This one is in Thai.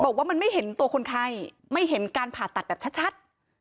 บอกว่ามันไม่เห็นตัวคนไข้ไม่เห็นการผ่าตัดแบบชัด